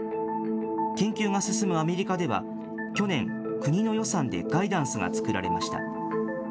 研究が進むアメリカでは、去年、国の予算でガイダンスが作られました。